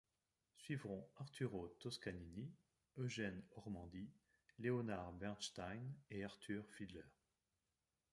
Suivront Arturo Toscanini, Eugene Ormandy, Leonard Bernstein et Arthur Fiedler.